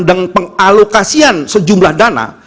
dan pengalokasian sejumlah dana